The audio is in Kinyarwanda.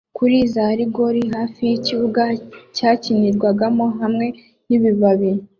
kuri za rigore hafi yikibuga cyakinirwamo hamwe nibibabi